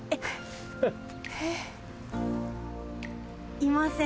いません。